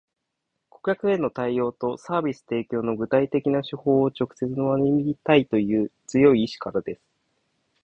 顧客への対応とサービス提供の具体的な手法を直接学びたいという強い意志からです